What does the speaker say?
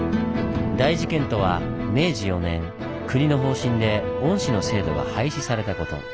大事件とは明治４年国の方針で御師の制度が廃止されたこと。